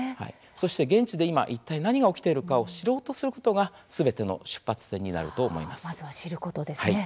そして現地で今いったい何が起きているかを知ろうとすることがすべての出発点になると思います。